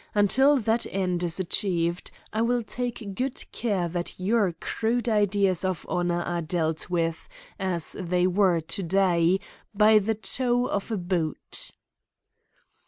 Until that end is achieved, I will take good care that your crude ideas of honour are dealt with, as they were to day, by the toe of a boot."